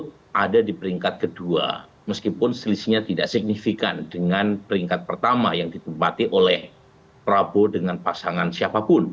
dan itu juga ada di peringkat kedua meskipun selisihnya tidak signifikan dengan peringkat pertama yang ditempati oleh prabowo dengan pasangan siapapun